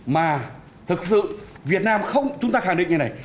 mà thực sự việt nam không chúng ta khẳng định như này